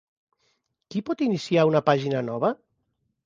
Qui pot iniciar una pàgina nova?